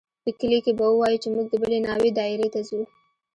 په کلي کښې به ووايو چې موږ د بلې ناوې دايرې ته ځو.